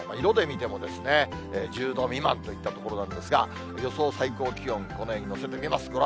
色で見ても、１０度未満といったところなんですが、予想最高気温、この上に載せていきます。